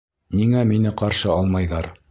Ниңә мине ҡаршы алмайҙар?